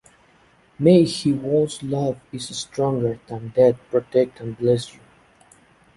May he whose Love is Stronger than Death protect and Bless you.